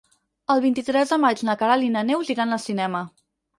El vint-i-tres de maig na Queralt i na Neus iran al cinema.